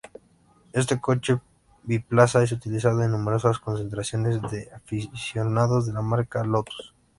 Este coche biplaza es utilizado en numerosas concentraciones de aficionados a la marca Lotus.